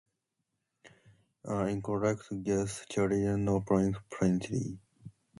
An incorrect guess carried no point penalty.